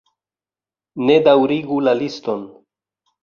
Ne daŭrigu la liston!